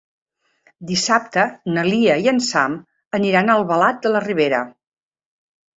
Dissabte na Lia i en Sam aniran a Albalat de la Ribera.